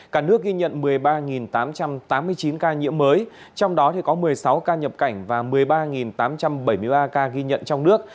cả nước ghi nhận một mươi ba tám trăm tám mươi chín ca nhiễm mới trong đó có một mươi sáu ca nhập cảnh và một mươi ba tám trăm bảy mươi ba ca ghi nhận trong nước